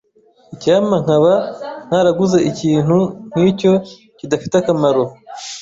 Icyampa nkaba ntaraguze ikintu nkicyo kidafite akamaro.